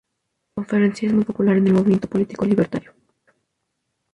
La conferencia es muy popular en el movimiento político libertario.